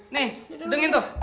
nih sedangin tuh